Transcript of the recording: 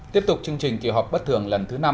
tiếp tục chương trình kỳ họp bất thường lần thứ năm